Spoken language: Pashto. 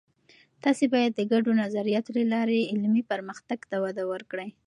تاسې باید د ګډو نظریاتو له لارې علمي پرمختګ ته وده ورکړئ.